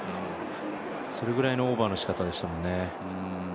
それぐらいのオーバーのしかたでしたもんね。